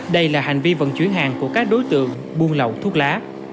đây là hành vi vận chuyển hàng của các đối tượng buôn lậu thuốc lá